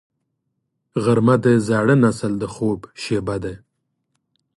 غرمه د زاړه نسل د خوب شیبه ده